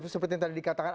seperti yang tadi dikatakan